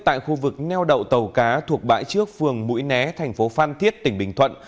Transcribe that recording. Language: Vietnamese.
tại khu vực neo đậu tàu cá thuộc bãi trước phường mũi né thành phố phan thiết tỉnh bình thuận